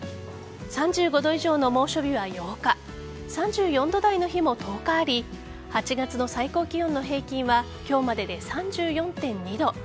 ３５度以上の猛暑日は８日３４度台の日も１０日あり８月の最高気温の平均は今日までで３４．２度。